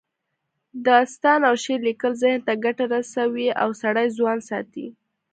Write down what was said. داستان او شعر لیکل ذهن ته ګټه رسوي او سړی ځوان ساتي